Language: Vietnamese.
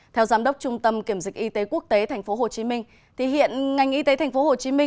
theo giám đốc trung tâm kiểm dịch y tế quốc tế tp hcm hiện ngành y tế tp hcm